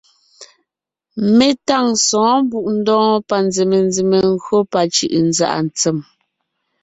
Mé táŋ sɔ̌ɔn Mbùʼndɔɔn panzèmenzème gÿó pacʉ̀ʼʉnzàʼa tsem.